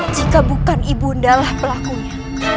jika bukan ibundalah pelakunya